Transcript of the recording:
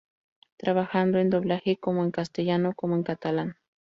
Trabajando en doblaje como en castellano como en catalán.